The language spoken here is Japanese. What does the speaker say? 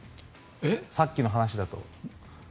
さっきの話だと。